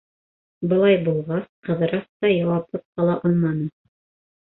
Былай булғас, Ҡыҙырас та яуапһыҙ ҡала алманы.